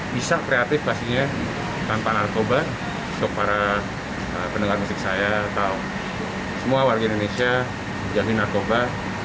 bisa kreatif pastinya tanpa narkoba besok para pendengar musik saya atau semua warga indonesia yang narkoba